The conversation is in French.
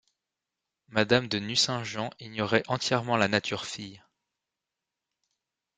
Madame de Nucingen ignorait entièrement la nature-fille.